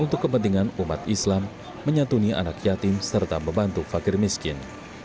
untuk kepentingan umat islam menyatuni anak yatim serta membantu fakir miskin